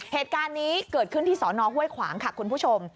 เหตุการณ์นี้เกิดขึ้นที่สอนอห้วยขวางค่ะคุณผู้ชม